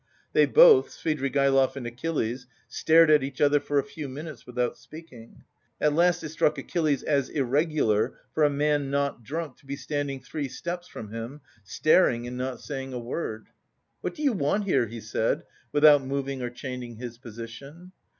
They both, Svidrigaïlov and Achilles, stared at each other for a few minutes without speaking. At last it struck Achilles as irregular for a man not drunk to be standing three steps from him, staring and not saying a word. "What do you want here?" he said, without moving or changing his position.